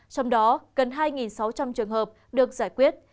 trong đó gần hai sáu trăm linh trường hợp được giải quyết